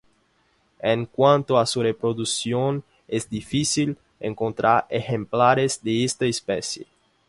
En cuanto a su reproducción es difícil encontrar ejemplares de esta especie.